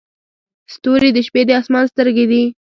ستوري د شپې د اسمان سترګې دي.